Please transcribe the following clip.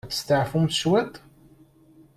Ad testeɛfumt cwit?